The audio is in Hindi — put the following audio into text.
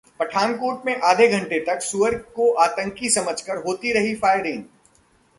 पठानकोट में आधे घंटे तक सूअर को आतंकी समझकर होती रही फायरिंग